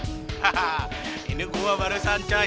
hahaha ini gua baru sancai